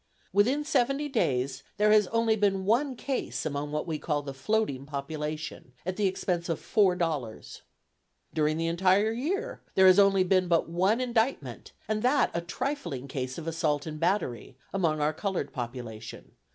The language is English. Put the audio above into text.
Within seventy days, there has only been one case among what we call the floating population, at the expense of $4.00. During the entire year, there has only been but one indictment, and that a trifling case of assault and battery, among our colored population.